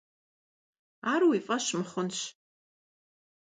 Ar vui f'eş mıxhunş.